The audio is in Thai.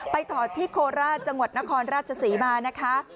ถอดที่โคราชจังหวัดนครราชศรีมานะคะ